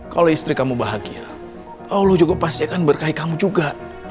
kalau istri kamu bahagia allah juga pasti akan berkai kamu juga